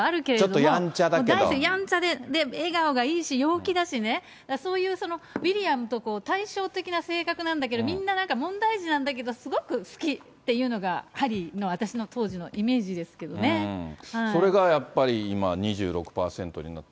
なにせやんちゃで、笑顔がいいし、陽気だしね、そういうウィリアムと対照的な性格なんだけど、みんななんか問題児なんだけど、すごく好きっていうのがハリーの、それがやっぱり、今、２６％になった。